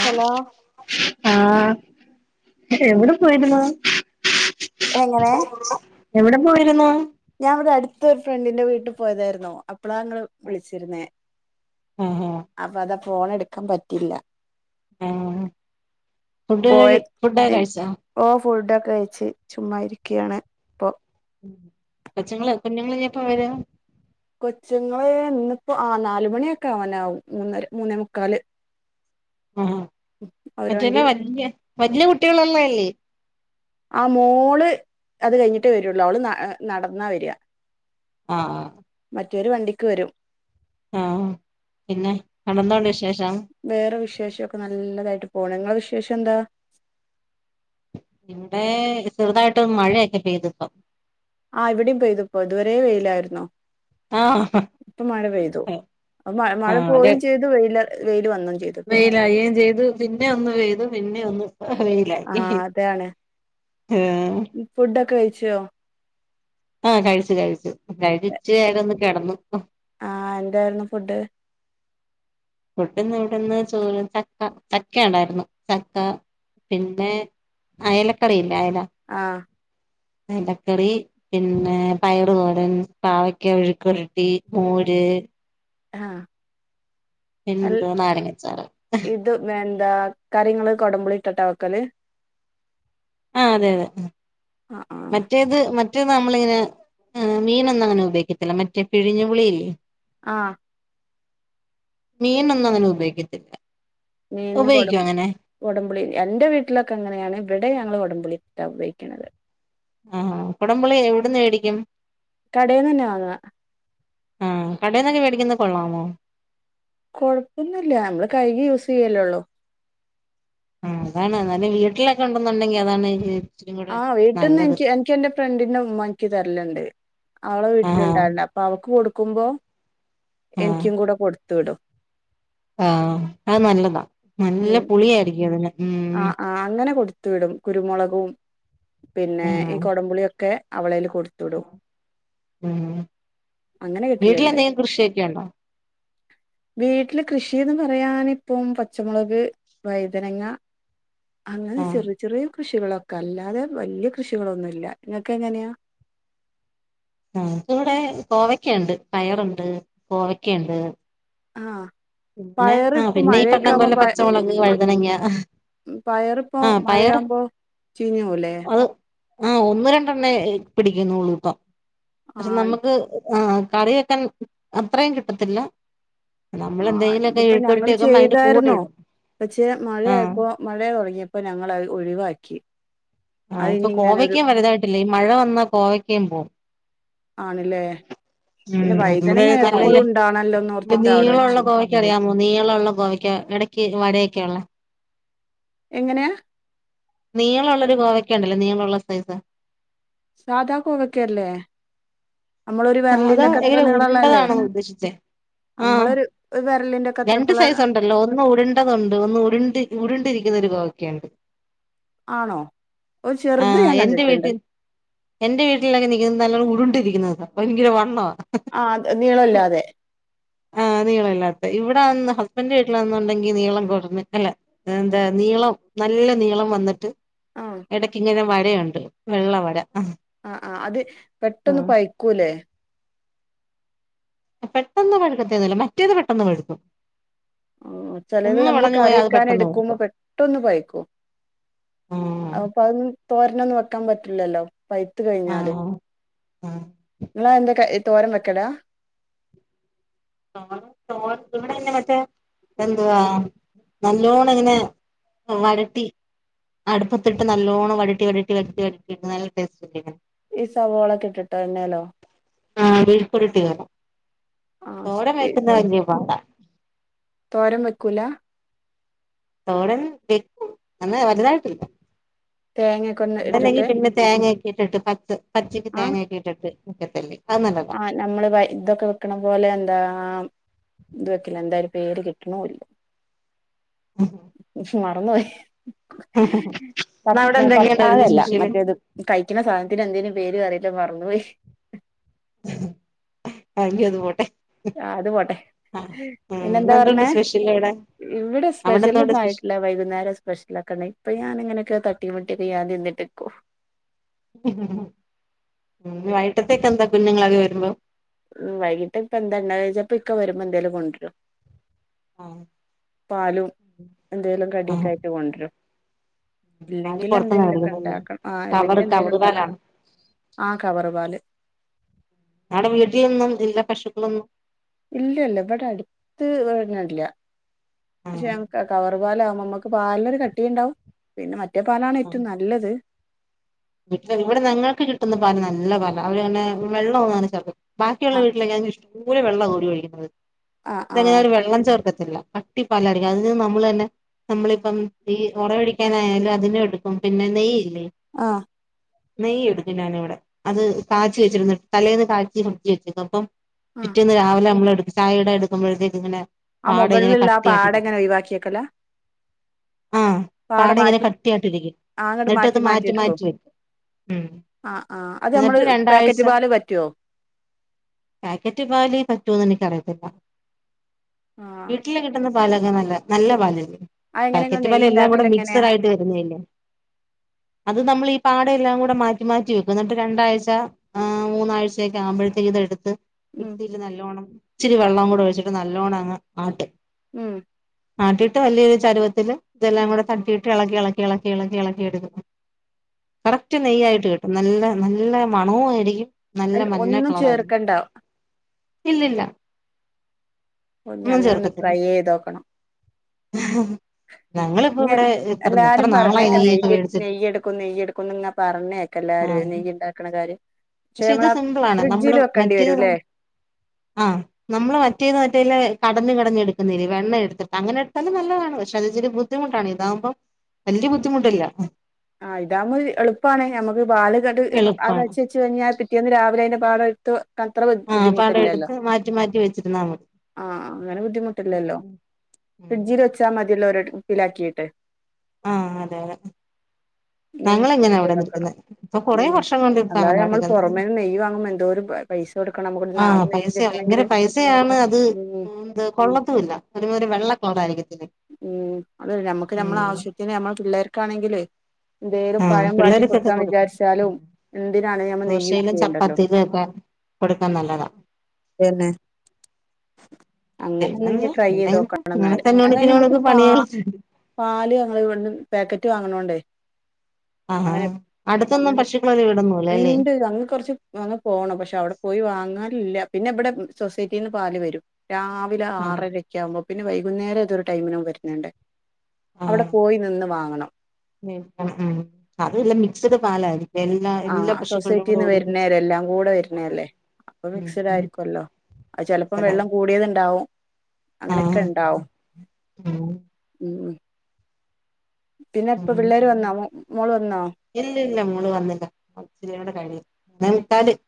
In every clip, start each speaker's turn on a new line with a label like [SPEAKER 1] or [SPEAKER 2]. [SPEAKER 1] Hello
[SPEAKER 2] ആഹ എവിടെ പോയിരുന്നു
[SPEAKER 1] എങ്ങനെ
[SPEAKER 2] എവിടെ പോയിരുന്നു
[SPEAKER 1] ഞാൻ ഇവിടെ അടുത്ത് രു ഫ്രണ്ടിന്റെ വീട്ട് പോയതായിരുന്നു അപ്പളാ ഇങ്ങള് വിളിച്ചിരുന്നേ
[SPEAKER 2] എഹേ ഹേ
[SPEAKER 1] ഫോണ് എടുക്കാൻ പറ്റില്ല
[SPEAKER 2] ആ
[SPEAKER 1] പോയ
[SPEAKER 2] ഫുഡ്കഴി ഫുഡോക്കെ കഴിച്ചോ
[SPEAKER 1] ഓ ഫുഡൊക്കെ കഴ്ച്ച് ചുമ്മാ ഇരിക്ക്യാണ് ഇപ്പൊ
[SPEAKER 2] കൊച്ചുങ്ങള് കുഞ്ഞുങ്ങളിനെപ്പ വര്യാ
[SPEAKER 1] കൊച്ചുങ്ങളെ ഇന്ന്പ്പോ ആ നാലുമണിയൊക്കെ ആ വാനാവും മൂന്നര മൂന്നേ മുക്കാല്
[SPEAKER 2] ആഹഹ
[SPEAKER 1] അവര് വണ്ടി
[SPEAKER 2] മറ്റെല
[SPEAKER 1] വരും.
[SPEAKER 2] വല്ല്യ വല്യകുട്ട്യേളുള്ളല്ലേ
[SPEAKER 1] ആ മോള് അത് കഴിഞ്ഞിട്ടേ വെരൊള്ളു അവള് ന്നഅ നടന്നാ വര്യാ
[SPEAKER 2] ആഹ
[SPEAKER 1] മറ്റൊര് വണ്ടിക്ക് വരും
[SPEAKER 2] ആഹ പിന്നെ കണ്ണന്നോണ്ട് വിശേഷം
[SPEAKER 1] വിശേഷം ഒക്കെ നല്ലതായിട്ട് പോണ് നിങ്ങളെ വിശേഷെന്താ
[SPEAKER 2] ഇവിടെ ചെറുതായ്ട്ട് മഴയൊക്കെ പെയ്തിപ്പം
[SPEAKER 1] ആ ഇവിടേം പെയ്തുപ്പോ ഇതുവരേ വെയ്ലായിരുന്നു
[SPEAKER 2] ആഹ്
[SPEAKER 1] ഇപ്പ മഴ പെയ്തു അപ്പൊ മഴ മഴപോയും ചെയ്തു വെയ്ല വെയ്ല് -
[SPEAKER 2] വെയ്ലായെം ചെയ്തു പിന്നെ ഒന്ന് പെയ്തു പിന്നെ ഒന്ന് വെയ്ലായി
[SPEAKER 1] ഫുഡ് ഒക്കെ കഴിച്ചോ
[SPEAKER 2] ആഹ കഴിച്ചു കഴിച്ചു കഴിച്ച് വേഗൊന്ന് കെടന്നു
[SPEAKER 1] ആഹ എന്തായ്രുന്നു ഫുഡ്
[SPEAKER 2] ഫുഡ് ഇന്ന് ഇവിടെന്ന് ചോറ് ചക്ക ചക്ക ഉണ്ടായ്രുന്നു ചക്കാ പിന്നെ അയലക്കറിയില്ലേ അയല
[SPEAKER 1] ആഹ്
[SPEAKER 2] അയലക്കറീ പിന്നെ പയറ്തോരൻ പാവക്ക മെഴുക്കുവരട്ടി മോര്
[SPEAKER 1] ഹാ
[SPEAKER 2] പിന്നെന്തോ നാരങ്ങച്ചാറ്
[SPEAKER 1] ഇത് എന്താ കറി നിങ്ങള്കൊടംമ്പുളി ഇട്ടട്ടാ വെക്കല്
[SPEAKER 2] ആ അതെ അതെ
[SPEAKER 1] ആഹ് ആഹ്
[SPEAKER 2] മറ്റേത് മ മറ്റേ നമ്മളി ഇങ്ങനെ മീനൊന്നും അങ്ങനെ ഉപയോഗിക്കത്തില്ല മറ്റേ പിഴിഞ്ഞു പുളില്ലേ
[SPEAKER 1] ആ
[SPEAKER 2] മീനൊന്നും അങ്ങനെഉപയോഗിക്കത്തില്ല
[SPEAKER 1] നിന്ന് കൊട കൊടമ്പുളി എന്റെ വീട്ടിലൊക്കെ എങ്ങനെയാണ് ഇവിടെ ഞങ്ങള്ൾ കൊടമ്പുളി അതിട്ട്ണ് ഉപയോഗിക്കുന്നത്
[SPEAKER 2] ആഹ കുടമ്പുളി എവിടന്ന് മേടിക്കും
[SPEAKER 1] കടയിൽന്ന് തന്നെ വാങ്ങ
[SPEAKER 2] ആഹ കടയിൽന്നൊക്കെ മേടിക്കുന്ന കൊള്ളാമോ
[SPEAKER 1] കൊഴപ്പൊന്നില്ല നമ്മള് കഴുക്കിയൂസ് ചെയ്യല്ലോള്ളോ
[SPEAKER 2] ആ അതാണ് നാൽ വീട്ടിലൊക്കെ ഉണ്ടന്നുണ്ടെങ്കി അതാണ് ഇച്ചിരി കൂടെ
[SPEAKER 1] ആവീട്ടിൽന്ന്
[SPEAKER 2] നല്ലത്
[SPEAKER 1] എനിക്ക് എനിക്ക് എൻറെ ഫ്രണ്ടിും ഉമ്മ തരലുണ്ട് അവളെ
[SPEAKER 2] ആ
[SPEAKER 1] വീട്ടിലുണ്ടായിരില്ല അപ്പ അവക്ക് കൊടുക്കു കൊടുക്കുമ്പോ എനിക്കും കൂടെ കൊടുത്ത്‌വിടും
[SPEAKER 2] ആഹ അത് നല്ലതാ നല്ല പുളിയായിരിക്കും അതിന്
[SPEAKER 1] ആ
[SPEAKER 2] ഉം
[SPEAKER 1] ആ അങ്ങനെ കൊടുത്തു വിടും കുരുമുളകും പിന്നെ ഈ കൊടപുളിയൊക്കെ
[SPEAKER 2] ഉ
[SPEAKER 1] അങ്ങനെ
[SPEAKER 2] വീട്ടില
[SPEAKER 1] കിട്ടലുണ്ട്
[SPEAKER 2] ൽഎന്തെങ്കിലും കൃഷിയൊക്കെ ഉണ്ടോ [inaudible]
[SPEAKER 1] വീട്ടില് കൃഷിന്ന് പറയാൻ ഇപ്പം പച്ചമുളക് വഴുതനങ്ങ അങ്ങനെ
[SPEAKER 2] ആഹ്
[SPEAKER 1] ചെറിയ ചെറിയ കൃഷികളൊക്കെ അല്ലാതെ വലിയ കൃഷികളൊന്നുമല്ല നിങ്ങൾക്ക് എങ്ങനെയാ
[SPEAKER 2] ആ ന ഇവിടെ കോവക്കയുണ്ട് പയറുണ്ട് കോവക്കുണ്ട്
[SPEAKER 1] ആഹ
[SPEAKER 2] പിന്നെ ആ പിന്നെ ഈ പട്ടം കൊല്ല പച്ചമുളക് വഴുതനങ്ങ
[SPEAKER 1] പയർഇപ്പോ
[SPEAKER 2] ആഹ് പയറ്
[SPEAKER 1] മഴയാവുമ്പോ ചീഞ്ഞ് പോവുലെ
[SPEAKER 2] ആഹ ഒന്ന് രണ്ടെണ്ണ പിടിക്കുന്നുള്ളൂപ്പം പക്ഷെ
[SPEAKER 1] ആഹ്
[SPEAKER 2] നമുക്ക് ആഹ കറി വെക്കാൻ അത്രയും കിട്ടത്തില്ല നമ്മള
[SPEAKER 1] ആഹ്
[SPEAKER 2] എന്തെങ്കിഒക്കെ ഇഴുക്ക ഇട്ടി വക്ക്പോ അതിന്റെ കൂടെ ഇടും
[SPEAKER 1] പക്ഷേ
[SPEAKER 2] ആഹ്
[SPEAKER 1] മഴയപ്പോ മഴ തുടങ്ങിയപ്പോ ഞങ്ങത് ഒഴിവാക്കി
[SPEAKER 2] ആഹ്
[SPEAKER 1] അത്
[SPEAKER 2] ഇപ്പൊ
[SPEAKER 1] ഇനി ഇങ്ങനെ ഒരു
[SPEAKER 2] കോവയ്ക്ക വലുതായിട്ടില്ലേ ഈ മഴ വന്നാൽ കോവയ്ക്കും പോകവും
[SPEAKER 1] ആണല്ലേ
[SPEAKER 2] ഉ
[SPEAKER 1] ഉണ്ടാണല്ലോന്ന്
[SPEAKER 2] നല്ല
[SPEAKER 1] ഓർത്തിട്ട് അവിടെ
[SPEAKER 2] നീളുള്ള
[SPEAKER 1] വെച്ചു
[SPEAKER 2] ഗോവയ്ക്ക് അറിയാമോ നീളുള്ള ഗോവയ്ക്ക് ഇടക്ക് വരയൊക്കെയ ഉള്ള
[SPEAKER 1] എങ്ങനെയാ
[SPEAKER 2] നീളള്ളൊരു കോവക്ക ഉണ്ടല്ലോ നീളള്ള സൈസ
[SPEAKER 1] സാധാ കോവെക്കല്ലേ നമ്മളൊ ഒരു
[SPEAKER 2] സാധാ
[SPEAKER 1] വിരലിന്റെക്കെ അത്ര
[SPEAKER 2] എങ്ങനെ
[SPEAKER 1] നീളള്ളല്ലേ
[SPEAKER 2] ഉരുണ്ടതാണോ ഉദ്ദേശിച്ചേ ആഹ്
[SPEAKER 1] നമ്മള ഒരു
[SPEAKER 2] രണ്ട് സൈസ ഉണ്ടല്ലോ ഒന്ന് ഉടണ്ടതുണ്ട് ഒന്ന് ഉ ഉടണ്ടിരിക്കുന്നൊ ഒരു കോ കേന്ത്
[SPEAKER 1] ആണോ ഒരു ചെറുത്
[SPEAKER 2] ആഹ്
[SPEAKER 1] ഞാൻ
[SPEAKER 2] എന്റെ
[SPEAKER 1] കണ്ടിട്ടുണ്ട്
[SPEAKER 2] വീട്ടിൽ എൻന്റെ വീട്ടിലൊക്കെ നങ്ങ നല്ലോണം ഉടണ്ടിരിക്ക [unintelligible]
[SPEAKER 1] ആ അത് നീളല്ലാതെ
[SPEAKER 2] [unintelligible] നീളല്ലാത്ത ഇവിടെന്ന് ഹസ്ബൻ് വീട്ടിൽന്നുണ്ടെങ്കി നീളം കുറഞ്ഞു അല്ലേ എന്താ നീളം നല്ല നീളം വന്നിട്ട്
[SPEAKER 1] ആ
[SPEAKER 2] ഇടക്ക്ിങ്ങനെ വരയുണ്ട് വെള്ള വര
[SPEAKER 1] ആ ആ അത് പെട്ടൊന്ന് പയ്ക്കൂല്ലേ
[SPEAKER 2] പെട്ടെന്ന് പഴുക്കത്തേന്നല്ല മറ്റേത് പെട്ടെന്ന് പഴുക്കും
[SPEAKER 1] ഉം ചെലത്
[SPEAKER 2] ഒന്ന്
[SPEAKER 1] നമ്മള്
[SPEAKER 2] വളഞ്ഞു
[SPEAKER 1] കറി
[SPEAKER 2] പോയാ അത്
[SPEAKER 1] വെക്കാൻ
[SPEAKER 2] പെട്ടെന്ന്
[SPEAKER 1] എടുക്കുമ്പോ
[SPEAKER 2] കൊടുക്കും
[SPEAKER 1] പെട്ടെന്ന് പയ്ക്കും.
[SPEAKER 2] ആഹ്
[SPEAKER 1] [unintelligible] തോരനൊന്നും വെക്കാൻ പറ്റില്ലല്ലോ പൈത്ത് കഴിഞ്ഞാല്
[SPEAKER 2] ആഹ് ആഹ്
[SPEAKER 1] ഇങ്ങള അത് എന്താ കയി തോരൻ വെക്കലാ
[SPEAKER 2] [unintelligible] ഇവിടെ ഇങ്ങനെ മറ്റേ എന്തുവാ നല്ലോണ ഇങ്ങനെ വരട്ടി അടുപ്പത്തിട്ട് നല്ലോണം വഴട്ടി വഴട്ടി വരട്ടി വരട്ടി നല്ല ടേസ്റ്റ് ഇണ്ട് [unintelligible]
[SPEAKER 1] ഈ സവോളൊക്കെട്ടിട്ടോ എണ്ണേലോ?
[SPEAKER 2] ആഹ് മെഴുക്കുരുട്ടി വേണം
[SPEAKER 1] ആ
[SPEAKER 2] തോരൻ വെക്കുന്ന വല്യ പാടാ
[SPEAKER 1] തോരൻ വെക്കൂല
[SPEAKER 2] തോരൻ വെക്കും അങ്ങനെ വെലുതായിട്ടില്ല.
[SPEAKER 1] തേങ്ങൊക്കെ ഒന്ന്
[SPEAKER 2] എന്തല്ലെങ്കി
[SPEAKER 1] ഇട്ടിട്ട്
[SPEAKER 2] പിന്നെ തേങ്ങ ഇട്ടിട്ട് പത്ത് പച്ചയ്ക്ക്
[SPEAKER 1] ആ
[SPEAKER 2] തേങ്ങട്ട ഇട്ടിട്ട് ഒക്കത്തല്ലേ
[SPEAKER 1] ആഹ് നമ്മള് ഇതൊക്കെ വെക്കണ പോലെ എന്താ ഇത് വെക്കില്ല എന്തായും പേര് കിട്ടണില്ല ന്നോയി
[SPEAKER 2] ഇന്ന് അവിടെ എന്തൊക്കെയുണ്ടായിരുന്നു സ്പെഷ്യല്
[SPEAKER 1] മറ്റേ [unintelligible] കഴികണ സാ ഇതിനെന്തേലു പേര് അറിയില്ല മറന്നുപോയി
[SPEAKER 2] അങ്കി അത് പോട്ടെ
[SPEAKER 1] ആഹ് അത് പോട്ടെ
[SPEAKER 2] ആഹ് ഉം
[SPEAKER 1] പിന്നെെന്താ
[SPEAKER 2] ഇന്ന് എന്തുണ്ട്
[SPEAKER 1] പറഞ്ഞേ
[SPEAKER 2] സ്പെഷ്യൽ അവിടെ
[SPEAKER 1] ഇവിടെ
[SPEAKER 2] അവിടെ എന്തുണ്ട് സ്പെഷ്യൽ
[SPEAKER 1] സ്പെഷൽന്നായിട്ട വൈകുന്നേരം സ്പെഷ്യൽ ആക്കണ്ട ഇപ്പൊ ഞാനിങ്ങനൊക്കെ തട്ടി മുട്ടി ഞൻ [unintelligible]
[SPEAKER 2] വൈകിട്ടത്തേക്കെന്താ കുഞ്ഞുങ്ങളൊക്കെ വരുമ്പോ
[SPEAKER 1] ഉം വൈകിട്ട് ഇപ്പ എന്താ ഇണ്ടായേന്നോയിച്ച ഇക്കെ വരുമ്പോ എന്തേലും കൊണ്ടുരും
[SPEAKER 2] ആ
[SPEAKER 1] പാലും എന്തെങ്കിലും
[SPEAKER 2] ആ
[SPEAKER 1] കടിയക്കായിട്ട് കൊണ്ടുവരും
[SPEAKER 2] പാല്
[SPEAKER 1] അല്ലെങ്കിൽ
[SPEAKER 2] പുറത്തുന്നാ
[SPEAKER 1] എന്തെങ്കിലൊക്കെ
[SPEAKER 2] മേടിക്കുന്നല്ലേ
[SPEAKER 1] ഇണ്ടാക്കണം ആഹ്
[SPEAKER 2] കവറ്
[SPEAKER 1] ഇല്ലെങ്കിൽ എന്തെങ്കിലും
[SPEAKER 2] കവറ് പാലാണ്
[SPEAKER 1] ഇണ്ടാക്കണം ആഹ് കവറുപാല്
[SPEAKER 2] അതെ വീട്ടിലൊന്നും ഇല്ല പശുക്കളൊന്നും
[SPEAKER 1] ഇല്ലല്ല ഇവിടെ അടുത്ത് ഇല്ല
[SPEAKER 2] ആ
[SPEAKER 1] പക്ഷെ ഞങ്ങക്ക് കവറ് പാലമ്പ നമ്മുക്ക് പാലിനൊരു കട്ടിയുണ്ടാവും പിന്നെ മറ്റേ പാലാണ് ഏറ്റവും നല്ലത്
[SPEAKER 2] പക്ഷെ ഇവിടെ ഞങ്ങൾക്ക് കിട്ടുന്ന പല നല്ല പല അവര്ങ്ങനെ വെള്ളൊന്നു അങ്ങനെ ചേ ബാക്കിയുള്ള
[SPEAKER 1] ആ
[SPEAKER 2] വീട്ടിലേക്ക് അയിൽ ഇഷ്ടം പൊലെ വെള്ളം കൂടി ഒഴിക്കുന്നത്
[SPEAKER 1] ആ ആ
[SPEAKER 2] ഇപ്പങ്ങെനാവര് വെള്ളം ചേർ ല്ല കട്ടി പലായിരിക്കും അതി നമ്മളന്നെ നമ്മളിപ്പം ഈ ഉറ ഒഴിക്കാനായാലും അതിനെ എടുക്കും പിന്നെ നെയ്യ്
[SPEAKER 1] ആഹ്
[SPEAKER 2] നെയ്യ് എടുക്കും ഞാനിവിടെ അത് കാച്ചി വെച്ചിരുന്നു തലേന്ന് കാച്ചി ഫ്രിഡ്ജില് വെച്ചിരുന്നു അപ്പം
[SPEAKER 1] ആ
[SPEAKER 2] പിറ്റേന്ന് രാവിലെ നമ്മളെടുക്കും ചായടെ എടുക്കുമ്പഴ്ത്തേക്ക് ഇങ്ങനെ
[SPEAKER 1] ആ
[SPEAKER 2] പാട ഇങ്ങനെ
[SPEAKER 1] മുകളിലുള്ള ആ പാട
[SPEAKER 2] കട്ടിയായിട്ടിരിക്കും
[SPEAKER 1] എങ്ങനെ ഒഴിവാക്കിയക്കല്ല
[SPEAKER 2] ആഹ്
[SPEAKER 1] പാട
[SPEAKER 2] ഇങ്ങനെ
[SPEAKER 1] മാറ്റും
[SPEAKER 2] കട്ടിയായിട്ടിരിക്കും
[SPEAKER 1] ആങ്ങട്ട്
[SPEAKER 2] എന്നിട്ട് അത്
[SPEAKER 1] മാറ്റി മാറ്റിയെടുക്കും
[SPEAKER 2] മാറ്റി വെക്കും ഉം
[SPEAKER 1] ആ ആ അത് നമ്മള്
[SPEAKER 2] എന്നിട്ട് രണ്ടാഴ്ച
[SPEAKER 1] പാക്കറ്റ് പാല് പറ്റുവോ
[SPEAKER 2] പാക്കറ്റ് പാല് പറ്റുവോന്ന് എനിക്കറി യത്തില്ല
[SPEAKER 1] ആ
[SPEAKER 2] വീട്ടില് കിട്ടുന്ന പാലൊക്കെ നല്ല നല്ല പാലില്ലേ
[SPEAKER 1] അതെങ്ങനെ ഇങ്ങള്
[SPEAKER 2] പാക്കറ്റ് പാല്
[SPEAKER 1] നെയ്യ്
[SPEAKER 2] എല്ലാം കൂടെ
[SPEAKER 1] ഇണ്ടാക്കല് എങ്ങനെയാ
[SPEAKER 2] മിക്സിഡ് ആയിട്ട് വരുന്നയല്ലേ അത് നമ്മളി പാടയെല്ലാം കൂടെ മാറ്റി മാറ്റി വെക്കും എന്നിട്ട് രണ്ടാഴ് അ മൂന്നാഴ്ചയൊക്കെ ആവുമ്പഴേത്ത് ഇതെടുത്ത്
[SPEAKER 1] ഉം
[SPEAKER 2] മിക്സില് നല്ലോണം ഇച്ചിരി വെള്ളം കൂടെ ഒഴിച്ചിട്ട് നല്ലോണ്ണം അങ്ങ് ആട്ട്
[SPEAKER 1] ഉം
[SPEAKER 2] ആട്ടിട്ട് വല്ല്യൊരു ചരുവത്തില് ഇതെല്ലാം
[SPEAKER 1] ഉം
[SPEAKER 2] കൂടെ തട്ടിട്ട് ഇളക്കി ഇളക്കി ഇളക്കി ഇളക്കി ഇളക്കിയെടുക്കും കറക്റ്റ് നെയ്യായിട്ട് കിട്ടും നല്ല നല്ല മണവും ആയിരിക്കും നല്ല
[SPEAKER 1] അയില്
[SPEAKER 2] മഞ്ഞ
[SPEAKER 1] ഒന്നും
[SPEAKER 2] കളറാരിക്കും
[SPEAKER 1] ചേർക്കണ്ട
[SPEAKER 2] ഇല്ലില്ല
[SPEAKER 1] ഓ ഇനി
[SPEAKER 2] ഒന്നും
[SPEAKER 1] അങ്ങനൊന്ന്
[SPEAKER 2] ചേർക്കത്തില്ല
[SPEAKER 1] ട്രൈ ചെയ്ത് നോക്കണം
[SPEAKER 2] ഞങ്ങളിപ്പോ
[SPEAKER 1] ഇനി എൽ
[SPEAKER 2] ഇവിടെ എത്ര എത്ര
[SPEAKER 1] എല്ലാരും
[SPEAKER 2] നാളായി
[SPEAKER 1] പറഞ്ഞെക്ക്
[SPEAKER 2] നെയ്യൊക്കെ
[SPEAKER 1] നെയ്യ്
[SPEAKER 2] മേടിച്ചിട്ട്
[SPEAKER 1] നെയ്യെടുക്കും നെയ്യ് നെയ്യെടുക്കുന്നിങ്ങനെ പറഞ്ഞ് കേക്കാം എല്ലാരുവേ
[SPEAKER 2] ആഹ്
[SPEAKER 1] നെയ്യുണ്ടാക്കണ കാര്യം
[SPEAKER 2] പക്ഷെ ഇത്
[SPEAKER 1] നമ്മള
[SPEAKER 2] സിംമ്പിൾ ആണ് നമ്മള്
[SPEAKER 1] ഫ്രിഡ്ജിൽ വെക്കേണ്ടി
[SPEAKER 2] മറ്റേ
[SPEAKER 1] വരുംല്ലേ
[SPEAKER 2] ആഹ് നമ്മള് മറ്റേത് വച്ചാല്ലേ കടഞ്ഞ് കടഞ്ഞ് എടുക്കുന്നതല്ലേ വെണ്ണ എടുത്തിട്ട്അങ്ങനെ എടുത്താലും നല്ലതാണ് പക്ഷേ അതിച്ചിരി ബുദ്ധിമുട്ടാണ് ഇതാവുമ്പം വല്യ ബുദ്ധിമുട്ടല്ല
[SPEAKER 1] ആഹ് ഇതാ എളുപ്പണ ഞമ്മക്ക് ബാല് ക ആ കഴ
[SPEAKER 2] എളുപ്പാണ്
[SPEAKER 1] വെച്ച് [unintelligible] കഴിഞ്ഞാ പിറ്റേന്ന് രാവിലെ അതിന്റെ പാട എടുത്തു
[SPEAKER 2] ആഹ പടം എടുത്ത് മാറ്റി മാറ്റി വെച്ചിരുന്നാൽ മതി
[SPEAKER 1] ആഹ അങ്ങനെ ബുദ്ധിമുട്ടില്ലല്ലോ
[SPEAKER 2] ഉം ഉം
[SPEAKER 1] ഫ്രിഡ്ജിൽ വച്ചാ മതിയല്ലോ ഒരു കുപ്പിലാക്കിട്ട്
[SPEAKER 2] ആഹ അതെ അതെ ഞങ്ങൾ എങ്ങനെയ
[SPEAKER 1] ഇതാക്കണം
[SPEAKER 2] ഇവിടെന്നിരിക്കുന്നത് ഇപ്പൊ കൊറെ
[SPEAKER 1] ഉം
[SPEAKER 2] വർഷം കൊണ്ട് ഇപ്പ
[SPEAKER 1] അല്ലാതെ
[SPEAKER 2] അങ്ങനെ
[SPEAKER 1] നമ്മൾ
[SPEAKER 2] എവിടുക്കുന്നത്
[SPEAKER 1] പുറമേന്ന് നെയ്യ് വാങ്ങുമ്പോ എന്തോരം പൈസ കൊടുക്കണം നമുക്ക്
[SPEAKER 2] ആഹ
[SPEAKER 1] നാടൻ നെയ്യ്
[SPEAKER 2] പൈസ ഭയങ്കര
[SPEAKER 1] കിട്ടണെങ്കില്
[SPEAKER 2] പൈസയാണ് അത്
[SPEAKER 1] ഉം
[SPEAKER 2] കൊള്ളത്തുമില്ല ഒരുമാതിരി വെള്ളക്കളറാആയിരിക്കത്തിന്
[SPEAKER 1] ഉം അത നമ്മുക്ക് നമ്മള ആവശ്യത്തിന് നമ്മള് പിള്ളേർക്കാണെങ്കില് എന്തേലും
[SPEAKER 2] ആഹ
[SPEAKER 1] പഴം വാട്ടി
[SPEAKER 2] പിള്ളേർക്കൊക്കെ
[SPEAKER 1] കൊടുക്കാൻ
[SPEAKER 2] കൊടുക്കും
[SPEAKER 1] വിചാരിച്ചാലും എന്തിനാണ് നമ്മൾ നെയ്യ് യൂസ്
[SPEAKER 2] ദോശയിലും
[SPEAKER 1] ചെയ്യണ്ടല്ലോ
[SPEAKER 2] ചപ്പാത്തിയിലും ഒക്കെ കൊടുക്കാൻ നല്ലതാണ്
[SPEAKER 1] അങ്ങനെ ഒന്ന്
[SPEAKER 2] പിന്നെന്ത്
[SPEAKER 1] ട്രൈ
[SPEAKER 2] പിന്നെ
[SPEAKER 1] ചെയ്ത്
[SPEAKER 2] എന്ത്
[SPEAKER 1] നോക്കണം എന്നല്
[SPEAKER 2] ഇങ്ങനത്തെ
[SPEAKER 1] ഞ ഇവിടുത്തെ
[SPEAKER 2] നൂണുക്ക്
[SPEAKER 1] പ
[SPEAKER 2] പണികളുണ്ട്
[SPEAKER 1] പാല് അങ്ങ ഇ പാക്കറ്റ് വാങ്ങണോണ്ടേ
[SPEAKER 2] ആഹാ അടുത്തൊന്നും പശുക്കള്
[SPEAKER 1] ഉണ്ട് അങ്ങ് കുറച്ച് അങ്ങ് പോണം പക്ഷെ അവിടെ പോയി വാങ്ങാൻ ല്ല പിന്നെ ഇവിടെ സൊസൈറ്റിന്ന് പാല് വരും രാവിലെ
[SPEAKER 2] ആഹ്
[SPEAKER 1] ആറരക്കെ ആവുമ്പോ പിന്നെ വൈകുന്നേരം ഇതൊരു ടൈമിനും വരുന്നുണ്ട് അവിടെ പോയി നിന്ന് വാങ്ങണം
[SPEAKER 2] ഉ അതല്ല മിക്സഡ് പാലായിരിക്കും എല്ലാ എല്ലാ
[SPEAKER 1] ആഹ
[SPEAKER 2] പശുക്കളുടെയും കൂടെ
[SPEAKER 1] സൊസൈറ്റിന്ന്
[SPEAKER 2] ഒരുമിച്ച്
[SPEAKER 1] വരുന്നേല്ലേ എല്ലാം കൂടെ വരുന്നേല്ലേ അപ്പൊ മിക്സഡ്
[SPEAKER 2] ഉം
[SPEAKER 1] ആയിരിക്കുമല്ലോ അത് ചെലപ്പോം വെള്ളം കൂടിയത് ഉണ്ടാവും അങ്ങനെയൊക്കെ
[SPEAKER 2] ആഹ്
[SPEAKER 1] ഉണ്ടാവും
[SPEAKER 2] ഉം
[SPEAKER 1] ഉ ഉ
[SPEAKER 2] ഉ
[SPEAKER 1] പിള്ളേര് വന്നോ മോള് വന്നോ
[SPEAKER 2] ഇല്ല ഇല്ല മോള് വന്നില്ല ഇച്ചിരിടെ കഴി ന തത് [unintelligible]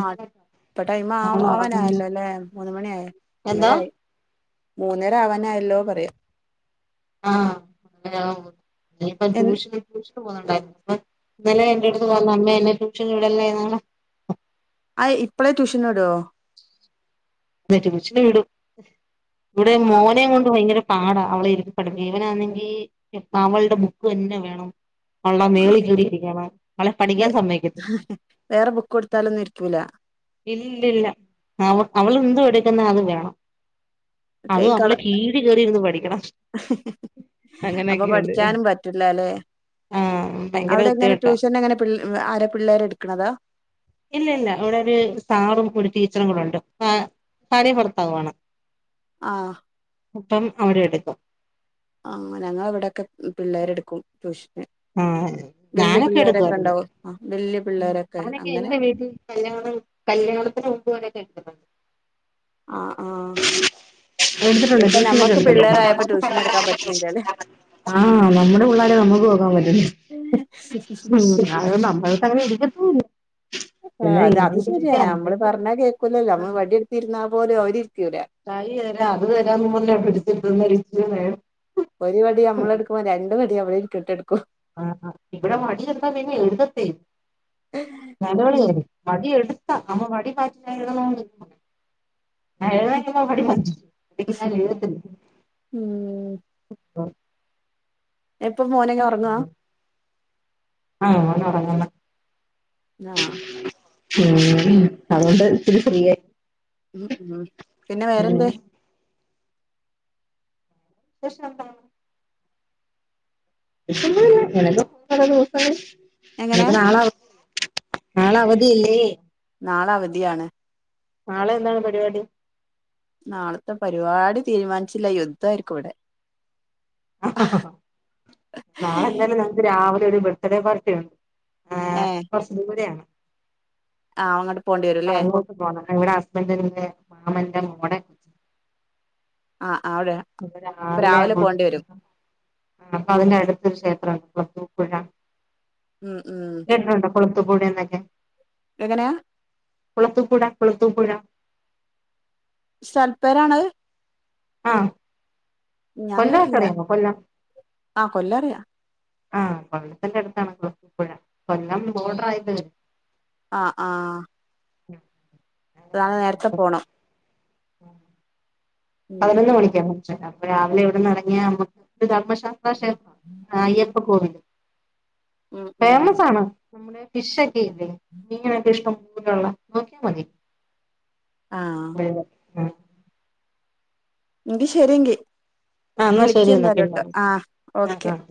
[SPEAKER 1] ആ ഇപ്പ ടൈം ആ
[SPEAKER 2] മോള് ഉറങ്ങുന്നു
[SPEAKER 1] അവനായല്ലോ അല്ലേ മൂന്ന മണിയ ആയി
[SPEAKER 2] എന്തോ
[SPEAKER 1] ഒന്നര ആയി മൂന്നര ആവാനായല്ലോ പറയാം
[SPEAKER 2] ആ അങ്ങന ഇപ്പ
[SPEAKER 1] എ
[SPEAKER 2] ടൂഷന് ട്യൂഷ പോകുന്നുണ്ടായിരു ഇന്നലെ എന്റെ അടുത്ത് പറഞ്ഞു അമ്മേ എന്നെ ട്യൂഷന് വിടല്ലേ നാളെ
[SPEAKER 1] ആ ഇപ്പളേ ട്യൂഷന് വിടുവോ
[SPEAKER 2] വിടും ഇവിടെ
[SPEAKER 1] ആ
[SPEAKER 2] മോനും കൊണ്ട് ഭയങ്കര പാടാ അവളെ ഇരുത്തി പഠിപ്പിക്കാൻ ഇവനാണെങ്കി അവളുടെ ബുക്ക് എല്ലാം വേണം അവളുടെ
[SPEAKER 1] ആ
[SPEAKER 2] മേളിൽ കയറി ഇരിക്കണം അവളെ
[SPEAKER 1] വേ
[SPEAKER 2] പഠിക്കാൻ സമ്മതിക്കത്തില്ല
[SPEAKER 1] വേറെ ബുക്ക് കൊടുത്താലൊന്നും ഇരിക്കൂല
[SPEAKER 2] ഇല്ലല്ല അവ അവള എതുും എടുക്കുന്ന അത് വേണം
[SPEAKER 1] ഒക്കെ ഈ
[SPEAKER 2] അതും
[SPEAKER 1] കള
[SPEAKER 2] അവളെ കീഴ കേറിയിരുന്ന് പഠിക്കണം
[SPEAKER 1] അപ്പൊ
[SPEAKER 2] അങ്ങനെയൊക്കെയുണ്ട്
[SPEAKER 1] പഠിക്കാനും പറ്റില്ല അല്ലെ
[SPEAKER 2] ആഹ് ഭയങ്കര
[SPEAKER 1] അവിടെ എങ്ങനെ
[SPEAKER 2] കുത്തിവെട്ടാ
[SPEAKER 1] ട്യൂഷൻ അങ്ങനെ ആരെ പിള്ളേരെ എടുക്കണതാ
[SPEAKER 2] ഇല്ല ഇല്ല ഇവിടെ ഒരു സാറും ഒരു ടീച്ചറും കൂടെ ഉണ്ട് ആ കറയ പുറത്താവുവാണ്
[SPEAKER 1] ആഹ
[SPEAKER 2] ഇപ്പം അവിടെ എടുക്കും
[SPEAKER 1] ആഹ ഞങ്ങൾ ഇവിടെൊക്കെ പിള്ളേരെ എടുക്കും ട്യൂഷൻ
[SPEAKER 2] ആഹ ഞാനൊക്കെ എടുക്കുമായിുന്ന
[SPEAKER 1] ഉണ്ടാവും ആ വല്യ
[SPEAKER 2] ഉ
[SPEAKER 1] പിള്ളേരൊക്കെ
[SPEAKER 2] ഞാനൊക്കെ
[SPEAKER 1] അങ്ങനെ
[SPEAKER 2] എൻന്റെ വീട്ടിൽ കല്യാ കല്യാണത്തിന് മുമ്പ്ുവനൊക്കെ എടുത്തിട്ടുണ്ട്
[SPEAKER 1] ആഹ ആഹ
[SPEAKER 2] എടുത്തിട്ടുണ്ട് ട്യൂഷനൊക്കെ എടുത്തിട്ടുണ്ട്
[SPEAKER 1] ട്യൂഷൻ എടുക്കാൻ പറ്റണില്ലല്ലേ
[SPEAKER 2] ആ നമ്മുടെ പിള്ളേരെ അ [unintelligible] അത്
[SPEAKER 1] [unintelligible]
[SPEAKER 2] നമ്മൾക്ക് അങ്ങനെ എടിക്കത്തല്ല
[SPEAKER 1] ആ അത് അത് ശരിയാണ് നമ്മള് പറഞ്ഞ കേക്കൂലല്ലോ നമ്മൾ വടിയ എടുത്തിരുന്നാൽ പോലും അവരിരിക്കൂല
[SPEAKER 2] തൈ തരാ അത് തരാന്ന് മുന്നേ പിടിച്ചിടുന്ന്രിച്ച
[SPEAKER 1] ഒരു പടി നമ്മള എടുക്കുമ്പോ രണ്ട് പടി അമ്മളട്ടടുക്കും
[SPEAKER 2] ആ ഇവിടെ മടി എന്താ പിന്നെ എഴുതത്തി
[SPEAKER 1] ഉം
[SPEAKER 2] നിലവിളിയല്ല വടി എടുത്ത നമ്മ വടി പാറ്റണ ന എഴുതാമ്മ മടി വ അക്ക് നഞൻ എഴുതി
[SPEAKER 1] ഉം ഇപ്പൊ മോനൊക്കെ ഒറങ്ങുവാ
[SPEAKER 2] ആഹ ഞ്ഞ [unintelligible]
[SPEAKER 1] ആഹ
[SPEAKER 2] ഉ അതുകൊണ്ട് ഇച്ചിരി ശരിയായി
[SPEAKER 1] ഉ ഉം പിന്നെ വേറെന്താ
[SPEAKER 2] ശഷന ത [unintelligible] ന ദിവസം ഇെ
[SPEAKER 1] എങ്ങനെ
[SPEAKER 2] ആള [unintelligible] നാള അവധി ഇല്ലേ
[SPEAKER 1] നാള അവധിയാണ്
[SPEAKER 2] നാളെ എന്താണ് പരിപാടി
[SPEAKER 1] നാളത്തെ പരിപാടി തീരുമാനിച്ചില്ല യുദ്ധയിരിക്കും ഇവിടെ
[SPEAKER 2] നാളെ എന്തായാലും നമക്ക് രാവിലെ ഒരു ബർത്ത്ഡേ പാർട്ടി ഉണ്ട് ആ
[SPEAKER 1] ഏഹ്
[SPEAKER 2] പറശ്പൂര ആാണ്
[SPEAKER 1] ആഹ് അങ്ങോട്ട് പോണ്ടി വരും അല്ലേ
[SPEAKER 2] അങ്ങോട്ട് പോണം അവിടെ ഹസ്ബൻറിിന്റെ മാമറെ കടെ
[SPEAKER 1] ആഹ് അവിടെ
[SPEAKER 2] അപ്പ
[SPEAKER 1] ഇപ്പൊ
[SPEAKER 2] രാവിലെ അങ്ങോട്ട്
[SPEAKER 1] പോണ്ടി
[SPEAKER 2] പോ
[SPEAKER 1] വരും
[SPEAKER 2] അപ്പൊ അതിന്റെ അടുത്ത് ശ അൂപ്പഴ [unintelligible]
[SPEAKER 1] ഉം ഉം
[SPEAKER 2] പുളത്തു കൂടെ എന്നൊക്കെ
[SPEAKER 1] എങ്ങനെയാ
[SPEAKER 2] കുളത്തുപ്പുഴ കുളത്തൂപ്പുഴ
[SPEAKER 1] സൽപേരാണ്
[SPEAKER 2] ആഹ
[SPEAKER 1] ഞാൻ കേട്ടില്ല ആഹ കൊല്ലറിയാ
[SPEAKER 2] ആഹ കൊല്ലത്തിന്റെ അടുത്താണ് കൊപ്പുഴ കൊല്ലം ബോർഡർ ആയത് വ
[SPEAKER 1] ആഹ ആഹ്
[SPEAKER 2] ഉം [unintelligible]
[SPEAKER 1] അതാണ് നേരത്തെ പോണു
[SPEAKER 2] ആഹ [unintelligible] പതിനൊന്ന് മണിയ്ക്കാണ് അപ്പോ രാവിലെ ഇവിടന്ന് ഇറങ്ങിയ നമ്മ- അയ്യപ്പ കോവില്
[SPEAKER 1] ഉം ഉം
[SPEAKER 2] ഫേയ്മസ് ആണ് നമ്മുടെ ഫിഷൊക്കെ ഇല്ലേ മീനൊക്കെ ഇഷ്ടം പോലുള്ള നോക്കിയാൽ മതി
[SPEAKER 1] ആഹ്
[SPEAKER 2] അ ആ
[SPEAKER 1] എങ്കി ശരിയങ്കി
[SPEAKER 2] എന്നാ
[SPEAKER 1] വിളിക്ക
[SPEAKER 2] ശരി എന്നാ പിന്നെ
[SPEAKER 1] എന്തായാലുംട്ടോ ആ
[SPEAKER 2] വിളിക്കാം ആഹ്
[SPEAKER 1] ഓക്കെ
[SPEAKER 2] ആഹ്